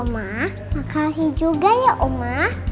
mama makasih juga ya